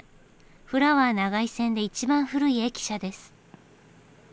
フラワー長井線で一番古い駅舎です。